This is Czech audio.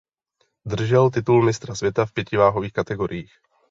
Držel titul mistra světa v pěti váhových kategoriích.